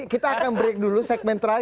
kita akan break dulu segmen terakhir